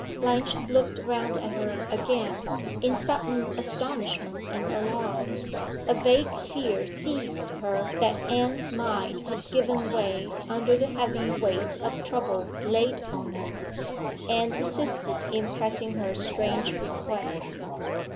Blanche looked round at her again, in sudden astonishment and alarm. A vague fear seized her that Anne's mind had given way under the heavy weight of trouble laid on it. Anne persisted in pressing her strange request.